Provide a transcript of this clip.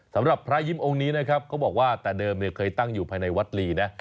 สำหรับพระยิ้มองค์นี้นะครับเขาบอกว่าแต่เดิมเคยตั้งอยู่ภายในวัดลีนะ